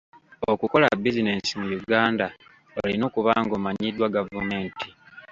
Okukola bizinensi mu Uganda, olina okuba ng'omanyiddwa gavumenti.